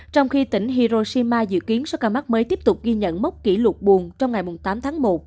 trong khi tỉnh hiroshima dự kiến số ca mắc mới tiếp tục ghi nhận mốc kỷ lục buồn trong ngày tám tháng một